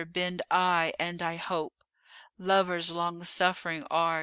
bend I and I hope * (Lovers long suffering are!)